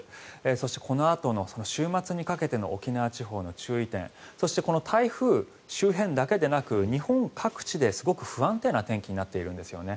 そしてこのあとの週末にかけての沖縄地方の注意点そして、台風周辺だけでなく日本各地ですごく不安定な天気になっているんですね。